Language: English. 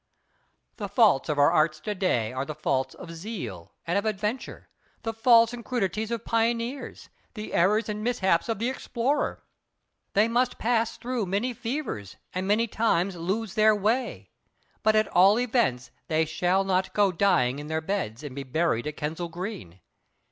The faults of our Arts to day are the faults of zeal and of adventure, the faults and crudities of pioneers, the errors and mishaps of the explorer. They must pass through many fevers, and many times lose their way; but at all events they shall not go dying in their beds, and be buried at Kensal Green.